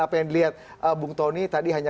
apa yang dilihat bung tony tadi hanya